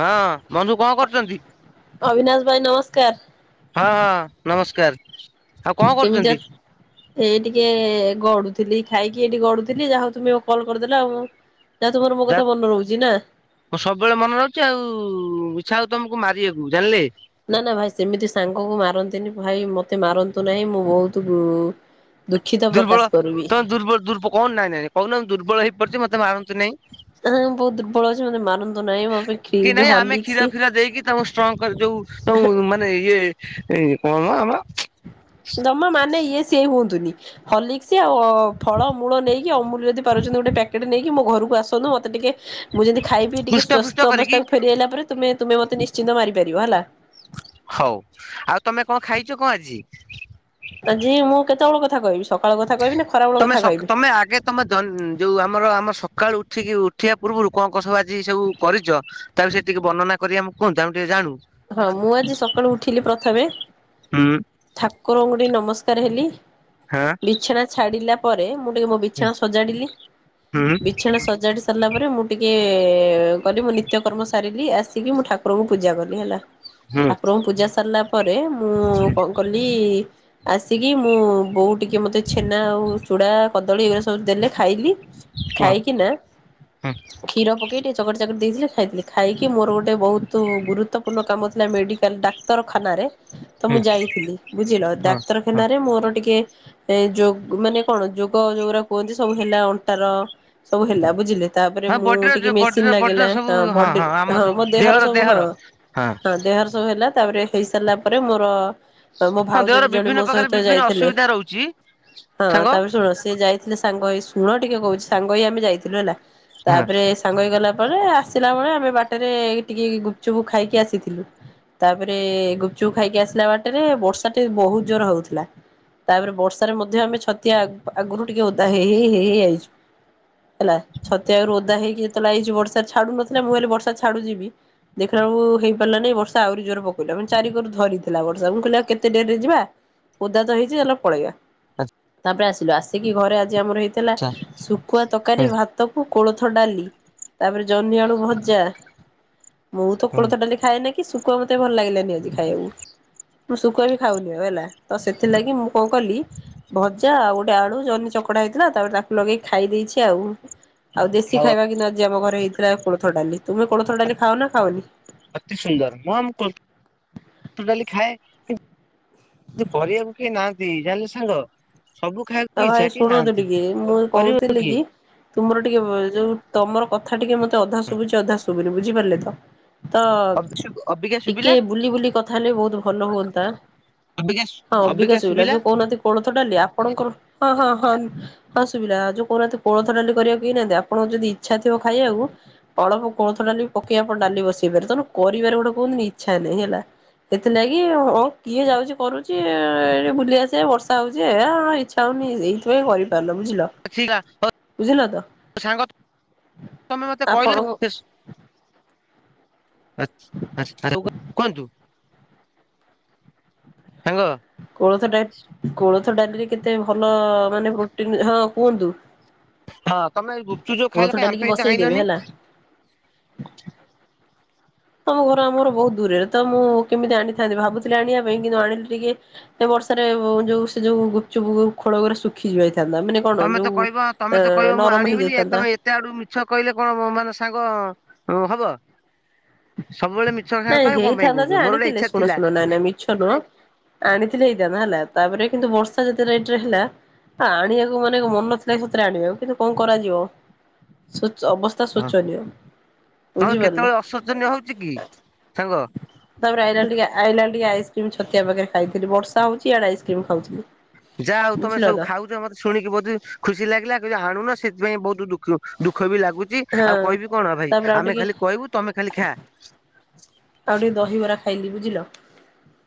ହଁ ବନ୍ଧୁ କଣ ଅ କରୁଛନ୍ତି? ଅବିନାଶ ଭାଇ ନମସ୍କାର। ହଁ ନମସ୍କାର। ଆଉ କଣ କେମିତି ଅ କରୁଛନ୍ତି? ଏଇ ଟିକେ ଗଡୁଥିଲି ଖାଇକି ଏଇଠି ଗଡୁଥିଲି ଯାହା ହଉ ତୁମେ କଲ୍ କରିଦେଲ ଆଉ। ନା ତୁମର ମୋ କଥା ମନେ ରହୁଚି ନା? ହଁ ସବୁବେଳେ ମନେ ରହୁଚି ଆଉ ଇଚ୍ଛା ହଉ ତମକୁ ମାରିବାକୁ ଜାଣିଲେ। ନା ନା ଭାଇ ସେମିତି ସାଙ୍ଗକୁ ମାରନ୍ତିନି ଭାଇ ମତେ ମାରନ୍ତୁ ନାହିଁ ମୁଁ ବହୁତୁ ଦୁର୍ବଳ ତ ଦୁର୍ବଳ ଦୁର୍ବ କଣ ନାଇଁ ନାଇଁ କହୁନ ଦୁର୍ବଳ ହେଇପଡିଛି ମତେ ମାରନ୍ତୁ ନାଇଁ। ଏଁ ମୁଁ ବହୁତ ଦୁର୍ବଳ ଅଛି ମତେ ମାରନ୍ତୁ ନାହିଁ ମୋ ପାଇଁ କି କ୍ଷୀର୍ ନାଇଁ ଆମେ କ୍ଷୀର ହର୍ଲିକ୍ସ ଫିର ଦେଇକି ତାଙ୍କୁ ଷ୍ଟ୍ରଙ୍ଗ କରେ ଯୋଉ ଯୋଉ ମାନେ ଇଏ ଏଁ କଣ ଆମର ଜମା ମାନେ ଇଏ ସିଏ ହୁଅନ୍ତୁନି। ହର୍ଲିକ୍ସ ଆଉ ଓ ଫଳ ମୂଳ ନେଇକି ଅମୂଲ ଯଦି ପାରୁଛନ୍ତି ଗୋଟେ ପ୍ୟାକେଟ ନେଇକି ମୋ ଘରକୁ ଆସନ୍ତୁ ମତେ ଟିକେ ମୁଁ ଯେମିତି ଖାଇ ପିଇ ଟିକେ ହୃଷ୍ଟ ଫୃଷ୍ଟ ସ୍ଵସ୍ଥ କରିକି ଅବସ୍ଥାକୁ ଫେରିଆଇଲା ପରେ ତୁମେ ତୁମେ ମତେ ନିଶ୍ଚିନ୍ତ ମାରି ପାରିବ ହେଲା। ହଉ, ଆଉ ତମେ କଣ ଖାଇଚ କଣ ଆଜି? ଆଜି ମୁଁ କେତେବେଳ କଥା କହିବି ସକାଳ କଥା କହିବି ନା ଖରାବେଳ କଥା କହିବି? ତମ ଦନ୍ ଯୋଉ ଆମର ଆମ ସକାଳୁ ଉଠିକି ଉଠିବା ପୂର୍ବରୁ କଣ କଣ ସବୁ ଆଜି ସବୁ କରିଚ ତା ବିଷୟରେ ଟିକେ ବର୍ଣ୍ଣନା କରି ଆମକୁ କୁହନ୍ତୁ ଆମେ ଟିକେ ଜାଣୁ? ହଁ ମୁଁ ଆଜି ସକାଳୁ ଉଠିଲି ପ୍ରଥମେ ଠାକୁରଙ୍କୁ ଟିକେ ନମସ୍କାର ହେଲି ହଁ ବିଛଣା ଛାଡିଲା ପରେ ମୁଁ ଟିକେ ମୋ ବିଛଣା ସଜାଡିଲି ବିଛଣା ସଜାଡି ସାରିଲା ପରେ ମୁଁ ଟିକେ ଏ କଲି ମୁଁ ନିତ୍ୟ କର୍ମ ସାରିଲି ଆସିକି ମୁଁ ଠାକୁରଙ୍କୁ ପୂଜା କଲି ହେଲା ଠାକୁରଙ୍କୁ ପୂଜା ସାରିଲା ପରେ ମୁଁ କଣ କଲି ଆସିକି ମୁଁ ବୋଉ ଟିକେ ମତେ ଛେନା ଆଉ ଚୁଡା କଦଳୀ ଏଗଡ଼ା ସ ସବୁ ଦେଲେ ଖାଇଲି ଖାଇକି ନା କ୍ଷୀର ପକେଇ ଟିକିଏ ଚକଟ ଚାକୁଡ଼ି ଦେଇଥିଲେ ଖାଇଥିଲି, ଖାଇକି ମୋର ଗୋଟେ ବହୁତ ଗୁରୁତ୍ୱ ପୂର୍ଣ୍ଣ କାମଥିଲା ମେଡିକାଲ ଡାକ୍ତରଖାନାରେ ତ ମୁଁ ଯାଇଥିଲି ବୁଝିଲ, ଡାକ୍ତର ଖେନାରେ ମୋର ଟିକେ ଏ ଯୋ ଗ ମାନେ କଣ ଯୋଗ ଯୋଉ ଗୁଡା କୁହନ୍ତି ସବୁ ହେଲା ଅଣ୍ଟାର ସବୁ ହେଲା ବୁଝିଲେ? ତାପରେ ମୁଁ ଟିକେ ବଡିର ମେସିନ୍ ବଡିର ବଡିର ଲାଗିଲା ସବୁ ହଁ ବଡି ଆମ ହଁ ସବୁ ମୋ ଦେହର ସବୁ ହଁ। ହଁ ଦେହର ସବୁ ହେଲା ତାପରେ ହେଇ ସାରିଲା ପରେ ମୋର ମୋ ହଁ ଭାଉଜ ଦେହର ବି ଜଣେ ବିଭିନ୍ନ ମୋ ପ୍ରକାର ସହିତ ବିଭିନ୍ନ ଯାଇଥିଲେ ଅସୁବିଧା ରହୁଛି ହଁ ସାଙ୍ଗ ତାପରେ ଶୁଣ ସିଏ ଯାଇ ଥିଲେ ସାଙ୍ଗ ଶୁଣ ଟିକେ କହୁଛି ସାଙ୍ଗ ହେଇ ଆମେ ଯାଇଥିଲୁ ହେଲା ହଁ ତାପରେ ସାଙ୍ଗ ହୋଇ ଗଲା ପରେ ଆସିଲା ବଳେ ଆମେ ବାଟରେ ଟିକେ ଗୁପଚୁପ୍ ଖାଇକି ଆସ ଥିଲୁ, ତାପରେ ଗୁପଚୁପ ଖାଇକି ଆସିଲା ବାଟରେ ବର୍ଷା ଟେ ବହୁତ ଜୋର ହଉଥିଲା। ତାପରେ ବର୍ଷାରେ ମଧ୍ୟ ଆମେ ଛତିଆ ଆଗରୁ ଟିକେ ଓଦା ହେଇ ହେଇ ହେଇ ହେଇ ଆଇଚୁ। ହେଲା ଛତିଆ ରୁ ଓଦା ହେଇକି ମତ ଲାଗଛି ବର୍ଷା ଛାଡୁ ନଥିଲା ମୁଁ ହେଲେ ବର୍ଷା ଛଡୁ ଯିବି, ଦେଖିଲାବେଳକୁ ହେ ହେଲା ନାଇ ବର୍ଷ ଆହୁରି ଜୋର ପକାଉଥିଲା ଚାରି କରୁ ଧରିଥିଲା ବର୍ଷା ମୁଁ କହିଲି କେତେ ଡେରି ରେ ଯିବା ଓଦା ତ ହେଇଛି ଚାଲ ପଳେଇବା ତାପରେ ଆସିଲୁ ଆସିକି ଘରେ ଆଜି ଆମର ହେଇ ଥିଲା, ଆଚ୍ଛା ଶୁଖୁଆ ତକାରୀ, ହଁ ଭା ତକୁ କୋଳଥ ଡାଲି ତାପରେ ଜହ୍ନିଆଳୁ ଭଜା ମୁଁ ତ ହଁ କୋଳଥ ଡାଲି ଖାଏ ନା କି ଶୁକୁଆ ମତେ ଭଲ ଲାଗିଲାନି ଆଜି ଖାଇବାକୁ ମୁ ଶୁଖୁଆ ବି ଖାଉନି ଆଉ ହେଲା ତ ସେଥିଲାଗି ମୁଁ କଣ କଲି ଭଜା ଆଉ ଗୋଟେ ଆଳୁ ଜନି ଚକଡା ହେଇଥିଲା ତାପରେ ତାକୁ ଲଗେଇକି ଖାଇ ଦେଇଛି ଆଉ। ଆଉ ଦେଶୀ ଖାଇବା କି ନ ଆଜି ଆମ ଘରେ ହେଇଥିଲା କୋଳଥ ଡାଲି ତୁମେ କୋଳଥ ଡାଲି ଖାଅ ନା ଖାଅନି? ଅତି ସୁନ୍ଦର ମୁଁ ଆ କୋଳଥ ଡାଲି ଖାଏ କିନ୍ତୁ କରିବାକୁ କେହି ନାହାନ୍ତି ଜାଣିଲୁ ସାଙ୍ଗ। ସବୁ ଖାଏ ଆଉ ଭାଇ ଶୁଣନ୍ତୁ ଟିକେ ମୁଁ କହୁଥିଲି କିଏ କି ତୁମର ଟିକେ ଯୋଉ ତମର କଥା ଟିକେ ମତେ ଅଧା ଶୁଭୁଚି ଅଧା ଶୁଭୁନି ବୁଝିପାରିଲେ ତ। ତ ଅବିକା ଶୁଭିଲା ଟିକେ ବୁଲି ବୁଲି କଥା ହେଲେ ବହୁତ ଭଲ ହୁଅନ୍ତା। ହଁ ଅବିକା ଶୁଭିଲା ଯୋଉ କହୁନାହାନ୍ତି କୋଳଥ ଡାଲି ଆପଣଙ୍କର ହଁ ହଁ ହଁ। ହଁ ଶୁଭିଲା ଯୋଉ କହୁନାହାନ୍ତି କୋଳଥ ଡାଲି କରିବାକୁ କେହି ନାହାନ୍ତି ଆପଣ ଯଦି ଇଚ୍ଛା ଥିବ ଖାଇବାକୁ ଅଳପ କୋଳଥ ଡାଲି ପକେଇ ଆପଣ ଡାଲି ବସେଇ ପାର ତମେ କରିବାରେ ଗୋଟେ କୁହନ୍ତନି ଇଚ୍ଛା ନାଇଁ ହେଲା। ସେଥି ନାଗି ଓ କିଏ ଯାଉଛି କରୁଛି ଏଇଠି ବୁଲି ଆସିବା ବର୍ଷା ହଉଛି ଏ ହଁ ଇଛା ହୋଉ ନେଇ ଏଇଥିପାଇଁ କରିପାରୁନ ବୁଝିଲ। ବୁଝିଲ ତ ଆପଣଙ୍କ [unintelligible] [unintelligible] କୁହନ୍ତୁ। ସାଙ୍ଗା କେଲାଥ ଡା କୋଳଥ ଡାଲିରେ କେତେ ଭଲ ମାନେ ପ୍ରୋଟିନ ହଁ କୁହନ୍ତୁ। ହଁ ତମେ ଏଇ ଗୁପଚୁପ ଯୋଉ କୋଳଥ ଖାଇଲ କାଇଁ ଆମ ଡାଲିକି ପାଇଁ ତ ବସେଇଦେବେ ଆଣିଲନି। ହେଲା ତମ ଘର ଆମର ବହୁତ ଦୂରରେ ତ ମୁଁ କେମିତି ଆଣିଥାନ୍ତି ଭାବୁଥିଲି ଆଣିବା ପାଇଁ କିନ୍ତୁ ଆଣିଲି ଟିକେ ଏ ବର୍ଷାରେ ଯୋଉ ସେ ଯୋଉ ଗୁପଚୁପ ଖୋଳ ଗୁରା ଶୁଖି ଯହିଥାନ୍ତା ମାନେ କଣ ତମେ ତ ଯୋଉ କହିବ ତମେ ଏ ତ କହିବ ମୁଁ ନରମ ଆଣିବିନି ଏ ହେଇଯାଇଥାନ୍ତା। ତମେ ଏତେ ଆଡୁ ମିଛ କହିଲେ କଣ ମାନେ ସାଙ୍ଗ ଅ ହବ। ସବୁବେଳେ ମିଛ ଖାଅ ନାଇଁ କାଇଁ କଣ ପାଇଁ କହୁଚ ମୋର ଗୋଟେ ଇଚ୍ଛା ଥିଲା। ଇଚ୍ଛା ନୁହଁ ଆଣିଥିଲେ ହେଇଥାନ୍ତା ହେଲା ତାପରେ କିନ୍ତୁ ବର୍ଷା ଯେତେ ରେଟରେ ହେଲା ଆଣିବାକୁ ମାନେ ମନ ନଥିଲା ସତରେ ଆଣିବାକୁ କିନ୍ତୁ କଣ କରାଯିବ ସୋଚ ଅବସ୍ ହଁ ତମର କେତେବେଳେ ଅଶୋଚନୀୟ ହଉଛି କି ସାଙ୍ଗ। ତାପରେ ଆଇଲା ବେଳେ ଆଇଲା ବେଳେ ଟିକେ ଆଇସ୍କ୍ରିମ ଛତିଆ ପାଖରେ ଖାଇଥିଲି ବର୍ଷା ହଉଛି ଇଆଡେ ଆଇସ୍କ୍ରିମ୍ ଖାଉଚି ମୁଁ। ଯାହା ଆଉ ତମେ ସବୁ ଖାଉଛ ମତେ ଶୁଣିକି ବହୁତ ଖୁସି ଲାଗିଲା କି ଯଉ ଆଣୁନ ସେଥିପାଇଁ ବହୁତ ଦୁଖ ଦୁଖ ବି ଲାଗୁ ଚି ଆଉ ହଁ କହିବି କଣ ଭାଇ ତାପରେ ଆଉ ଆମେ ଟିକେ ଖାଲି କହିବୁ ତମେ ଖାଲି ଖା। ଆଉ ଟିକେ ଦହିବରା ଖାଇଲି ବୁଝିଲ।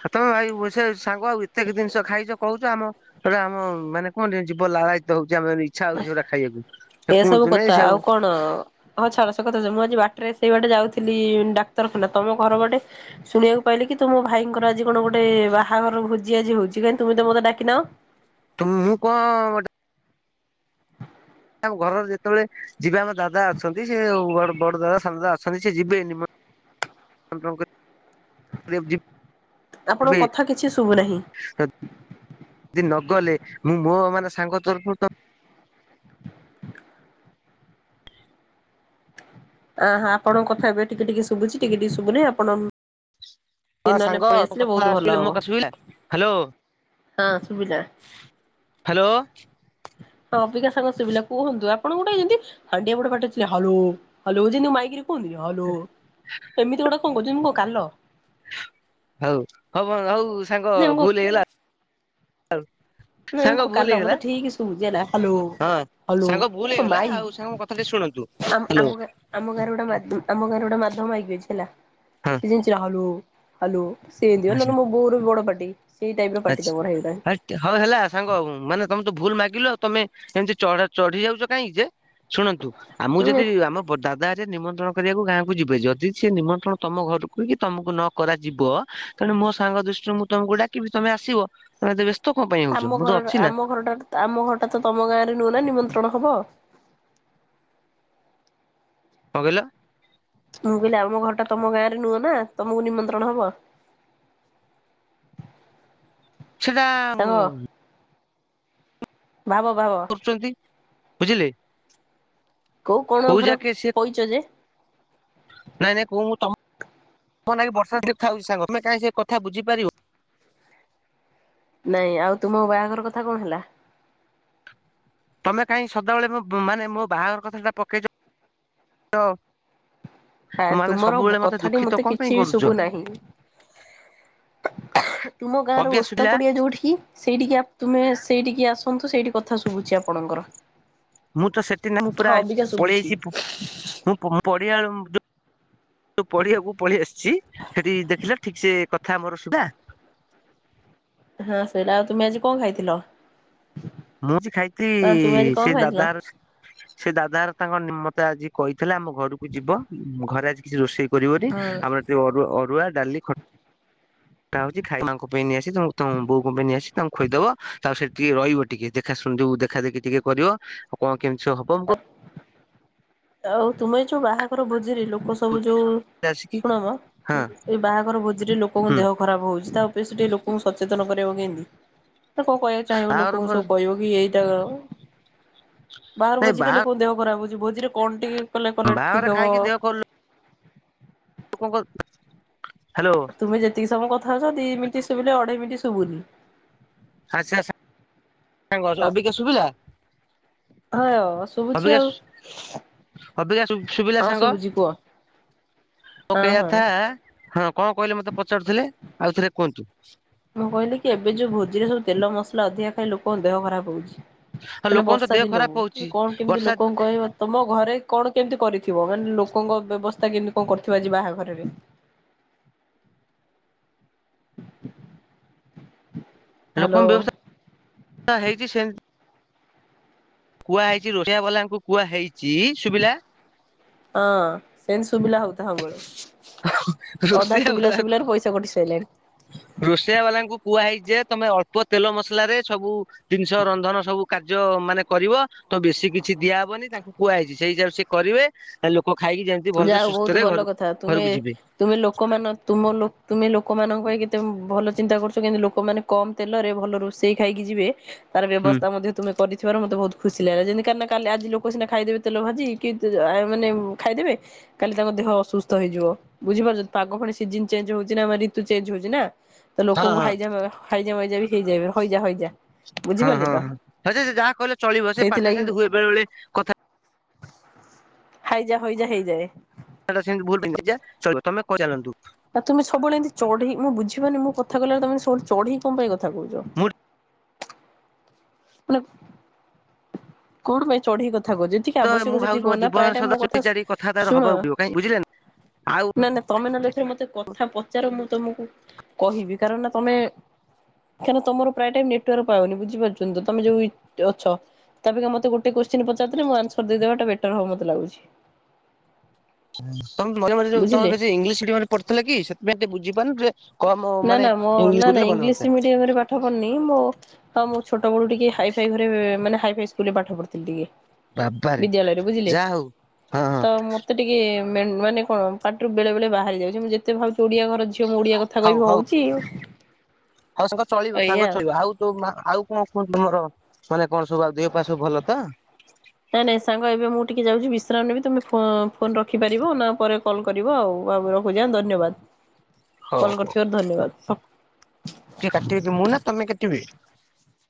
ହ ତମେ ଭାଇ ସେ ସାଙ୍ଗ ଆଉ ଏତେକ ଜିନିଷ ଖାଇଛ କହୁଛ ଆମ ସେଇଟା ଆମ ମାନେ କଣ ଜିଭ ଲାଳହିତ ହଉଛି ଆମେ ହାରି। ଇଛା ହଉଛି ସେଗୁଡା ଖାଇବାକୁ ସେ ଏସବୁ କୁହନ୍ତୁ କଥା ନାଇଁ ସେ ଆଉ କଣ ହଁ ଛାଡ ସେ କଥା ଅ ମୁଁ ଆଜି ବାଟରେ ସେଇ ବାଟେ ଯାଉଥିଲି ଡାକ୍ତରଖାନା ତମ ଘର ବାଟେ ଶୁଣିବାକୁ ପାଇଲି କି ତୁମ ଭାଇଙ୍କର ଆଜି କଣ ଗୋଟେ ବାହାଘର ଭୋଜି ଆଜି ହଉଚି କାହିଁ ତୁମେ ତ ମୋତେ ଡାକି ନାଅ। ତୁ ମୁଁ କଣ ଡା ଆମ ଘରର ଯେତେବେଳେ ଯିବେ ଆମ ଦାଦା ଅଛନ୍ତି ସେ ବ ବଡ ଦାଦା ସାନ ଦା ଅଛନ୍ତି ସେ ଯିବେ ନି [unintelligible] ଆପଣଙ୍କ ଯିବେ କଥା କିଛି ଶୁଭୁନାହିଁ। ଯଦି ନଗଲେ ମୁଁ ମୋ ମାନେ ସାଙ୍ଗ ତରଫରୁ ତ ଆ ହାଁ ଆପଣଙ୍କ କଥା ଏବେ ଟିକେ ଟିକେ ଶୁବୁଚି ଟିକେ ଟିକେ ଶୁବୁନି ଆପଣ ହଁ ନହେଲେ ସାଙ୍ଗ ପଳେଇ ଆସିଲେ ବହୁତ ଭଲ ହବ [unintelligible] ହ୍ୟାଲୋ। ହଁ ସୁଭିଲା। ହ୍ୟାଲୋ ହଁ ଅବିକା ସାଙ୍ଗ ଶୁବିଲା କୁହନ୍ତୁ ଆପଣ ଗୋଟେ ଯେମିତି ହଣ୍ଡିଆ ବଡ ପାଟିରେ ଚିଲେ ହଲୋ ହଲୋ ଯେମିତି ମାଇକିରେ କୁହନ୍ତିନି ହଲୋ ଏମିତି ଗୋଟେ କଣ କହୁଚନ୍ତି ମୁଁ କଣ କାଲ। ହଉ ହଉ ଵ ହଉ ସାଙ୍ଗ ଭୁଲ ହେଇଗଲା। ନାଇଁ ସାଙ୍ଗ ମୁଁ କ ଭୁଲ କାଲ ହେଇଗଲା ମତେ ଠିକ ଶୁଭୁଚି ହେଲା ହଲୋ ହଁ। ହଲୋ ସାଙ୍ଗ ଭୁଲ କ ହେଇଗଲା ଆଉ ସାଙ୍ଗ ମୋ କଥା ଟିକେ ମାଇକି। ଶୁଣନ୍ତୁ ଆମ ହ୍ୟାଲୋ। ଆମଗାଁ ଆମ ଗାଁରେ ଗୋଟେ ମାଧ ଆମ ଗାଁରେ ଗୋଟେ ମାଧବ ମାଇକି ଅଛି ହେଲା ସେ ଯେମିତି ଚି ହାଲୋ। ହଲୋ ସେମିତି ମାନେ ଆଚ୍ଛା ଲୋ ମୋର ବୋଉ ର ବି ବଡ ପାଟି ସେଇ ଟାଇପ ର ପାଟି ଆଚ୍ଛା ତମର ହେଇଗଲାଣି। ହେ ହଉ ହେଲା ସାଙ୍ଗ ମାନେ ତମେ ତ ଭୁଲ ମାଗିଲ ତମେ ଏମିତି ଚଢ ଚଢି ଯାଉଚ କାହିଁକି ଯେ ଶୁଣନ୍ତୁ ଆମକୁ ଯଦି ଆମ ଦାଦା ହେରିକା ନିମନ୍ତ୍ରଣ କରିବାକୁ ଗାଁକୁ ଯିବେ ଯଦି ସେ ନିମନ୍ତ୍ରଣ ତମ ଘରକୁ କି ତମକୁ ନ କରାଯିବ ତେଣୁ ମୋ ସାଙ୍ଗ ଦୃଷ୍ଟିରୁ ମୁଁ ତମକୁ ଡାକିବି ତମେ ଆସିବ ତମେ ଏତେ ବ୍ୟସ୍ତ କଣ ପାଇଁ ଆମ ହଉଛ ମୁଁ ଘର ତ ଅଛି ନା। ଆମ ଘରଟା ଆମ ଘରଟା ତମ ଗାଁରେ ନୁହଁନା ନିମନ୍ତ୍ରଣ ହବ। କଣ କହିଲ? ମୁଁ କହିଲି ଆମ ଘର ଟା ତମ ଗାଁ ରେ ନୁହଁ ନା ତମକୁ ନିମନ୍ତ୍ରଣ ହବ। ସେଟା ସାଙ୍ଗ ଭାବ ଭାବ। ସେମିତି ବୁଝିଲେ। କୋଉ କଣ କୋଉଁ ଘର ଯାକେ ସେ ପଇଚ ଯେ ନାଇଁ ନାଇଁ କୁହ ତ ନାଇଁ ବର୍ଷା ଥାଉଛି ସାଙ୍ଗ ତମେ କାହିଁ ସେ କଥା ବୁଝିପାରିବ। ନାଇଁ ଆଉ ତୁମ ବାହାଘର କଥା କଣ ହେଲା? ତମେ କାହିଁ ସଦାବେଳେ ମୋ ମାନେ ମୋ ବାହାଘର କଥାଟା ପକେଇଚ ତ ଆ ତୁମର କଥାଟି ଦୁଃଖିତ ମତେ କଣ ପାଇଁ କିଛି କରୁଛ ଶୁଭୁ ନାହିଁ। ତୁମ ଗାଁ ର ଅଭ୍ୟାସ ଓସ୍ତ ପିଲା ପଡ଼ିଆ ଯୋଉଁଠି ସେଇଠିକି ତୁମେ ସେଇଠିକି ଆସନ୍ତୁ ସେଇଠି କଥା ଶୁଭୁଛି ଆପଣଙ୍କର। ମୁଁ ତ ସେଠି ନାଇଁ ମୁଁ ପୁରା ହଁ ଅବିକା ପଳେଇ ଶୁଭୁଛି ଆଇଚି ପୁ ମୁଁ ମୁଁ ପଡ଼ିଆ ଯଉ ପଡ଼ିଆ କୁ ପଳେଇ ଆସି ଛି ସେଠି ଦେଖିଲେ ଠିକ ସେ କଥା ମୋର ଶୁଭା ହଁ ସେଇଟା ଆଉ ତୁମେ ଆଜି କଣ ଖାଇଥିଲ? ମୁଁ ସେ ଖାଇଥି ହଁ ତୁମେ ଆଜି କଣ ସେ ଖାଇଥିଲ? ଦାଦା ଘର ସେ ଦାଦା ଘର ତାଙ୍କ ନିମତେ ଆଜି କହିଥିଲେ ଆମ ଘରକୁ ଯିବ ଘରେ ଆଜି କିଛି ରୋଷେଇ କରିବନି ହୁଁ। ଆମର ସେ ଅରୁ ଅରୁଆ ଡ଼ାଲି ଖ ଟା ହଉଛି ଖାଇବା ମା ଙ୍କ ପାଇଁ ନେଇ ଆସି ତମ ବୋଉଙ୍କ ପାଇଁ ନେଇ ଆସି ତାଙ୍କୁ ଖୋଇ ଦେବ ଆଉ ସେଠି ରହିବନି। ଟିକେ ଦେଖା ଶୁଣି ବୁ ଦେଖା ଦେଖି ଟିକେ କରିବ ଆଉ କଣ କେମିତି ସବୁ ହବ। ମୁଁ ଆଉ ତୁମେ ଯୋଉଁ ବାହାଘର ଭୋଜି ରେ ଲୋକ ସବୁ ଯୋଉଁ ଆସିକି ଶୁଣମ। ହଁ ଏଇ ବାହାଘର ଭୋଜିରେ ଲୋକଙ୍କ ହୁଁ ଦେହ ଖରାପ ହଉଛି ତା [unintelligible] ଲୋକଙ୍କୁ ସଚେତନ କରିବ କେମିତି? ନା କଣ କହିବାକୁ ଚାହିଁବ ବାହାଘର ଲୋକଙ୍କୁ ପରେ ସବୁ କହିବ କି ଏଇଟା ବାହାରୁ ନାଇଁ ଭୋଜି ଖାଇ ବାହା ଲୋକଙ୍କ ଦେହ ଖରାପ ହେଉଛି ଭୋଜିରେ କଣ ଟିକେ କଲେ କହିଲେ ବାହାଘର ଠିକ୍ ହବ। ଖାଇକି ଲୋକ ଙ୍କ ହ୍ୟାଲୋ। ତୁମେ ଯେତିକ ସମୟ କଥା ହଉଛ ଦି ମିନିଟ ଶୁଭିଲେ ଅଢେଇ ମିନିଟ ଶୁଭୁନି ଆଛା ଆଛା ହଁ ଭାଉଜ ଅବିକା ଶୁଭିଲା? ହଁ ଶୁଭୁଛି ଅବିକା ଆଉ। ଅବିକା ସୁ ଶୁଭିଲା ହଁ ସାଙ୍ଗ। ଶୁଭୁଛି କୁହ ମୋ ହଁ କହିବା ହଁ। କଥା ହଁ କଣ କହିଲେ ମତେ ପଚାରୁଥିଲେ ଆଉ ଥରେ କୁହନ୍ତୁ। ମୁଁ କହିଲି କି ଏବେ ଯୋଉଁ ଭୋଜିରେ ସବୁ ତେଲ ମସଲା ଅଧିକା ଖାଇ ଲୋକଙ୍କ ଦେହ ଖରାପ ହଉଛି। ଆଉ ମାନେ ଲୋକଙ୍କ ତ ବର୍ଷା ଦେହ ଖରାପ ଦିନକୁ ହଉଛି କଣ କେମିତି ବର୍ଷା ଲୋକଙ୍କୁ କହିବ ତମ ଘରେ କଣ କେମିତି କରିଥିବ ମାନେ ଲୋକଙ୍କ ବ୍ୟବସ୍ଥା କେମିତି କଣ କରିଥିବ ଆଜି ବାହାଘରରେ। ହ୍ୟାଲୋ। ଲୋକଙ୍କ ବ୍ୟବସ୍ଥା ହେଇଛି ସେ କୁହା ହେଇଛି ରୋଷେଇଆ ବାଲାଙ୍କୁ କୁହା ହେଇଛି ଶୁଭିଲା? ହଁ ସେମିତି ଶୁଭିଲା ହେଉଥାଉ ବେଳେ ଅଧା ରୋଷେଇଆ ଶୁଭିଲା ଶୁଭିଲାରେ ପଇସା କଟି ସାରିଲାଣି। ରୋଷେଇୟା ବାଲାଙ୍କୁ କୁହା ହେଇଚି ଯେ ତମେ ଅଳ୍ପ ତେଲ ମସଲା ରେ ସବୁ ଜିନିଷ ରନ୍ଧନ ସବୁ କାର୍ଯ୍ୟ ମାନେ କରିବ। ତ ବେଶୀ କିଛି ଦିଆହବନି ତାଙ୍କୁ କୁହାହେଇଛି ସେଇ ହିସାବରେ ସେ କରିବେ ଆ ଲୋକ ଖାଇକି ଯେ ଯା ହଉ ବହୁତ ଭଲ କଥା ତୁମେ ତୁମେ ଲୋକମାନ ତୁମ ତୁମେ ଲୋକମାନଙ୍କ ପାଇଁ କେତେ ଭଲ ଚିନ୍ତା କରୁଛ କିନ୍ତୁ ଲୋକମାନେ କମ ତେଲରେ ଭଲ ରୋଷେଇ ଖାଇକି ଯିବେ। ତାର ହୁଁ ବ୍ୟବସ୍ଥା ମଧ୍ୟ ତୁମେ କରିଥିବାରୁ ମତେ ବହୁତ ଖୁସି ଲାଗିଲା ଯେମିତି କାରଣ କାଲି ଆଜି ଲୋ କ ସିନା ଖାଇଦେବେ ତେଲ ଭାଜି କି ମାନେ ଖାଇଦେବେ କାଲି ତାଙ୍କ ଦେହ ଅସୁସ୍ଥ ହେଇଯିବ। ବୁଝିପାରୁଛନ୍ତି ପାଗ ଫୁଣି ସିଜିନ ଚେଞ୍ଜ ହଉଛି ନା ଆମର ରିତୁ ଚେଞ୍ଜ ହଉଛି ନା। ତ ହଁ ଲୋକଙ୍କୁ ହଁ ହାଇଜା ହାଇଯା ମଇଜା ବି ହେଇଯାଏ ହଇଯା ହଇଯା ହଁ ହଁ ହଁ ସେ ଯାହା କହିଲେ ଚଳିବ ସେ ପାଟିରେ ସେମିତି ହୁଏ ବେଳେ ବଳେ କଥା ହାଇଯା ହଇଯା ହେଇଯାଏ। [unintelligible] ତମେ କହିଁ ଚାଲନ୍ତୁ। ନା ତୁମେ ସବୁବେଳେ ଏମିତି ଚଢ଼ି ମୁଁ ବୁଝିପାରୁନି ମୁଁ କଥା କହିଲାବେଳେ ତମେ ଏମିତି ସବୁବେଳେ ଚଢ଼ିକି କଣ ପାଇଁ କଥା କହୁଛ। ମୁଁ ମନେ କଣ ପାଇଁ ଚଢିକି କଥା କହୁଚ? [unintelligible] ତ ମୁଁ ଆବଶ୍ୟକ ଭାବୁଛି ସେତିିକି ମୋ କହୁନା ପ୍ରାୟ ଜୀବନରେ ଟାଇ ସଦା ମୋ ଚୋରି କଥା ଚାରି କଥାବାର୍ତ୍ତା ଶୁଣ ହବାକୁ ପଡିବ କାହିଁ ବୁଝିଲେ ନା ଆଉ ନା ନା ତମେ ନହେଲେ ଏଥର ମତେ କଥା ପଚାର ମୁଁ ତମକୁ କହିବି କାରଣ ନା ତମେ କାହିଁକିନା ତମର ପ୍ରାୟ ଟାଇମ ନେଟୱାର୍କ ପାଉନି ବୁଝି ପାରୁଛନ୍ତିତ ତମେ ଯୋଉ ଅଛ ତା ଅପେକ୍ଷା ମତେ ଗୋଟେ କୋଶଚୀନ ପଚାରିଦେଲେ ମୁଁ ଆନ୍ସର ଦେଇଦେବାଟା ବେଟର ହବ ମତେ ଲାଗୁଛି। ତମେ ମଝିରେ ମଝିରେ ଯଉ ତମେ ବୁଝିଲେ ବେଶୀ ଇଂଲିଶ ମିଡିୟମରେ ପଢୁଥିଲକି ସେଥିପାଇଁ ଟିକେ ବୁଝିପାରୁନ କଣ ମୋ ନା ନା ମୋ ନା ନା ଇଂଲିଶ ମିଡିୟମରେ ପା ପାଠ ପଢ଼ିନି ମୋ ହଁ ମୁଁ ଛୋଟ ବେଳୁ ଟିକେ ହାଇ ଫାଇ ଘରେ ମାନେ ହାଇ ଫାଇ ସ୍କୁଲରେ ପାଠ ପଢୁଥିଲି ଟିକେ। ବାବାରେ। ବିଦ୍ୟାଳୟରେ ବୁଝିଲେ? ଯାହା ହଉ ହଁ ତ ମୋ ମତେ ଟିକେ ମାନେ କଣ ପାଟିରୁ ବେଳେ ବଳେ ବାହାରି ଯାଉଛି ମୁଁ ଯେତେ ଭାବୁଚି ମୁ ଓଡିଆ ଘର ଝିଅ ମୁଁ ଓଡିଆ କ ହଁ କହିବି ହଉ ହଉ ହଉଛି ହଉ ସାଙ୍ଗ ଚଳିବ ସାଙ୍ଗ ଚଳିବ ଆଉ ମା ଆଉ କଣ କୁହନ୍ତୁମର ମାନେ କଣ ସବୁ ଆଉ ଦେହ ପାସବୁ ଭଲ ତ? ନାଇଁ ନାଇଁ ସାଙ୍ଗ ଏବେ ମୁଁ ଟିକେ ଯାଉଛି ବିଶ୍ରାମ ନେବି ତମେ ଫୋ ଫୋନ ରଖିପାରିବ ନା ପରେ କଲ୍ କରିବ ଆଉ ଆଉ ରଖୁଛି ଆଁ ଧନ୍ୟବାଦ। ହଉ କଲ ହଉ କରିଥିବାରୁ ଧନ୍ୟବାଦ। କିଏ କାଟିବେ କି ମୁଁ ନା ତମେ କାଟିବେ?